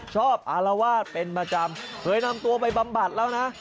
อารวาสเป็นประจำเคยนำตัวไปบำบัดแล้วนะ